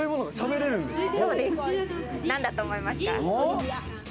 なんだと思いますか？